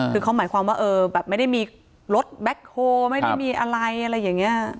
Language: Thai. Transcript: คือเขาหมายความว่าแบบไม่ได้มีรถแบ็คโฮลไม่ได้มีอะไรอะไรอย่างนี้